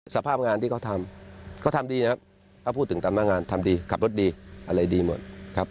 สภาพงานที่เขาทำเขาทำดีนะครับถ้าพูดถึงตามหน้างานทำดีขับรถดีอะไรดีหมดครับ